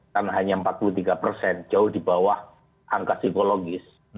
karena hanya empat puluh tiga persen jauh di bawah angka psikologis